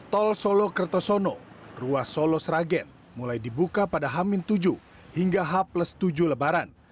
tol solo kertosono ruas solo sragen mulai dibuka pada h tujuh hingga h tujuh lebaran